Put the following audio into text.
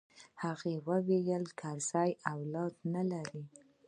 هغه وويل کرزى اولاد نه لري.